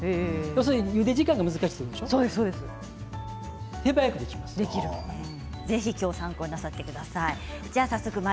要するにゆで時間がぜひ今日は参考になさってください。